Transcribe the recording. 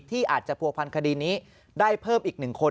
ที่อาจจะผัวพันคดีนี้ได้เพิ่มอีก๑คน